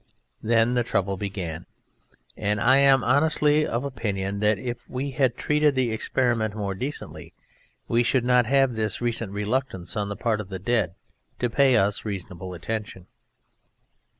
Then the trouble began, and I am honestly of opinion that if we had treated the experiment more decently we should not have this recent reluctance on the part of the Dead to pay us reasonable attention.